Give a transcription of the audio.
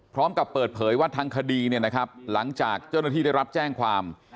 พร้อมกับเปิดเผยว่าทางคดีเนี่ยนะครับหลังจากเจ้าหน้าที่ได้รับแจ้งความ